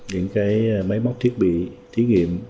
những cái máy móc thiết bị